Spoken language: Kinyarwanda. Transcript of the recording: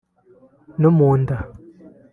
no mu nda